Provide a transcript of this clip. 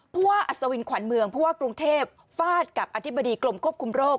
เพราะว่าอสวินขวัญเมืองเพราะว่ากรุงเทพฟาดกับอธิบดีกลมคบคุมโรค